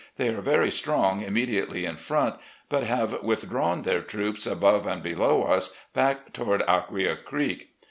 They are very strong immediately in front, but have with drawn their troops above and below us back toward Acquia Creek.